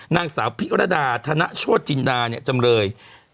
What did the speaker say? นางสาวพิรดาธนโชฬจิรณาจำเลย